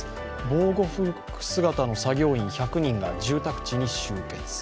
防護服姿の作業員１００人が住宅地に集結。